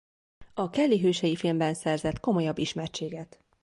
A Kelly hősei filmben szerzett komolyabb ismertséget.